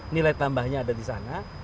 nilai tambahnya ada di sana